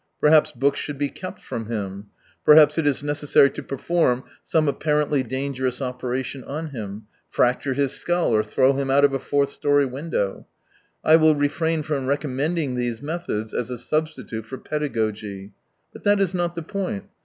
Perhaps books should be kept from him. Perhaps it is necessary to perform some apparently dangerous operation on him : fracture his skull or throw him out of a fourth storey window. I will refrain from recommending these methods as a substitute for paedagogy. But that is not the point.